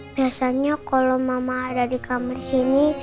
biasanya kalau mama ada di kamar sini